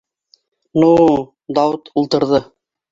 Ну, - Дауыт ултырҙы.